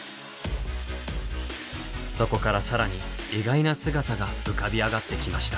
そこから更に意外な姿が浮かび上がってきました。